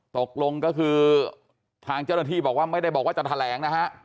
ตกลงก็คือทางเจ้าหน้าที่บอกว่าไม่ได้บอกว่าจะแถลงนะฮะ